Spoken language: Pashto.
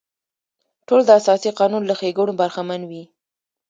ټول د اساسي قانون له ښېګڼو برخمن وي.